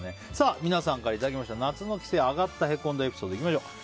皆さんからいただきました夏の帰省アガった＆へこんだエピソードです。